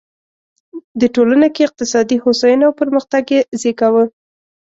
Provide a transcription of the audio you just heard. د ټولنه کې اقتصادي هوساینه او پرمختګ یې زېږاوه.